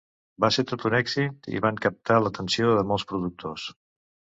Va ser tot un èxit i van captar l'atenció de molts productors.